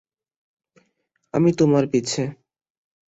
আমি তোমার পিছে।